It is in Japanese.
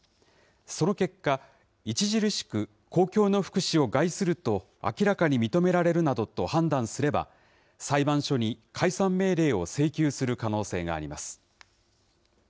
その結果、著しく公共の福祉を害すると明らかに認められるなどと判断すれば、裁判所に解散命令を請求する可能性があります。